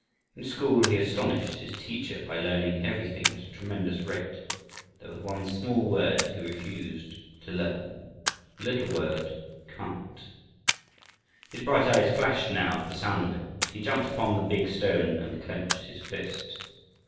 In school he astonished his teacher by learning everything at a tremendous rate, but there was one small word he refused to learn the little word "can't." His bright eyes flashed, now, at the sound of it. He jumped upon the big stone, and clenched his fist.